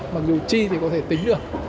mặc dù chi thì có thể tính được